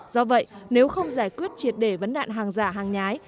do vậy nếu không giải quyết triệt để vấn đạn hàng giả hàng nhái